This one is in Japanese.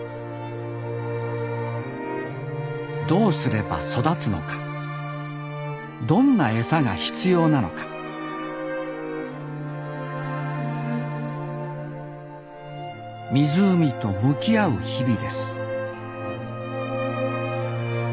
どうすれば育つのかどんなエサが必要なのか湖と向き合う日々です